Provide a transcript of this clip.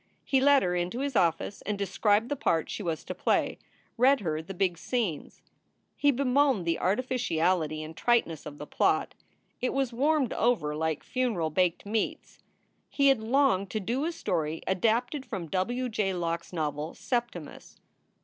He led her into his office and described the part she was to play, read her the big scenes. He bemoaned the artificiality and triteness of the plot. It was warmed over like funeral baked meats. He had longed to do a story adapted from W. J. Locke s novel Septimus.